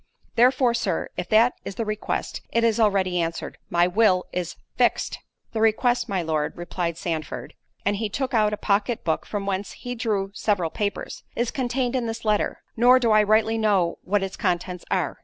Therefore, Sir, if that is the request, it is already answered; my will is fixed." "The request, my Lord," replied Sandford, (and he took out a pocket book from whence he drew several papers) "is contained in this letter; nor do I rightly know what its contents are."